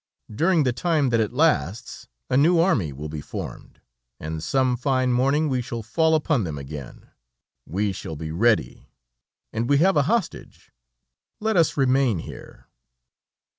During the time that it lasts, a new army will be formed, and some fine morning we shall fall upon them again. We shall be ready, and we have a hostage let us remain here."